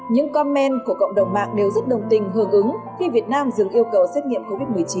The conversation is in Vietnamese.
những comment của cộng đồng mạng đều rất đồng tình hợp ứng khi việt nam dừng yêu cầu xét nghiệm covid một mươi chín